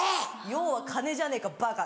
「要は金じゃねえかバカ！」